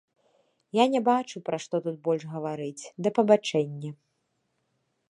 Я не бачу, пра што тут больш гаварыць, да пабачэння.